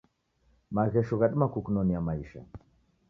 Maghesho ghadima kukunonia maisha